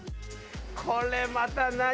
これまた何？